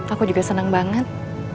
aku juga senang banget